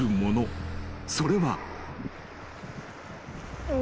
それは］